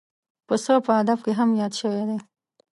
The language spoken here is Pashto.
پسه په ادب کې هم یاد شوی دی.